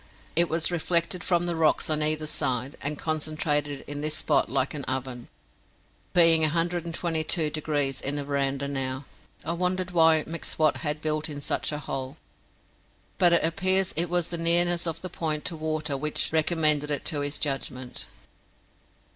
It was reflected from the rocks on either side, and concentrated in this spot like an oven, being 122 degrees in the veranda now. I wondered why M'Swat had built in such a hole, but it appears it was the nearness of the point to water which recommended it to his judgment.